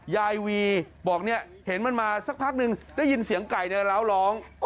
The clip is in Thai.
ยายวีบอกเนี่ยเห็นมันมาสักพักนึงได้ยินเสียงไก่เดินร้าวร้อง